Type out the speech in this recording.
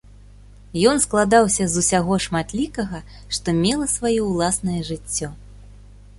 Ён складаўся з усяго шматлікага, што мела сваё ўласнае жыццё.